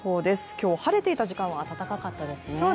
今日、晴れていた時間は暖かかったですね。